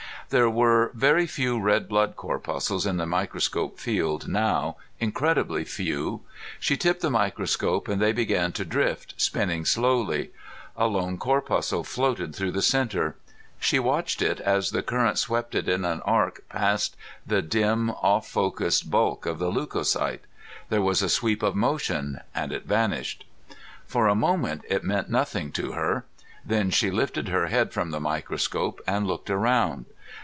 There were very few red blood corpuscles in the microscope field now, incredibly few. She tipped the microscope and they began to drift, spinning slowly. A lone corpuscle floated through the center. She watched it as the current swept it in an arc past the dim off focus bulk of the leucocyte. There was a sweep of motion and it vanished. For a moment it meant nothing to her; then she lifted her head from the microscope and looked around.